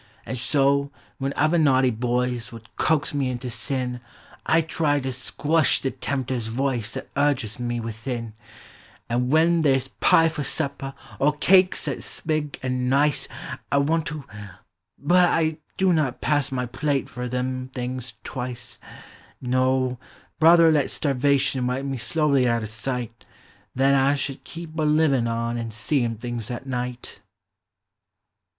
An' so, when other naughty boys would coax me into sin, Digitized by Google 10G POEMS OF HOME. I try to skwush the Tempter's voice 'at urges me within ; An' when they 's pie for supper, or cakes 'at 's big an' nice, I want to — but I do not pass my plate f'r them things twice! No, rut her let Starvation wipe me slowly out o' sight Than I should keep a livin' on an' seein' things at night